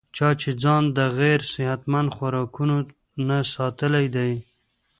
چا چې ځان د غېر صحتمند خوراکونو نه ساتلے دے